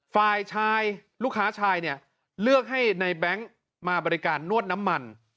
ฝ่ายชายลูกค้าชายเนี่ยเลือกให้ในแบงค์มาบริการนวดน้ำมัน